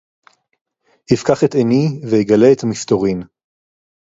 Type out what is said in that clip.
יִּפְקַח אֶת עֵינַי וִיגַלֶּה אֶת הַמִּסְתּוֹרִין